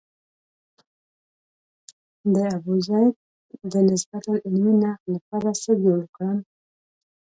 د ابوزید د نسبتاً علمي نقد لپاره څه جوړ کړم.